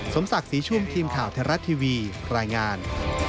สมศักดิ์ศรีชุ่มทีมข่าวไทยรัฐทีวีรายงาน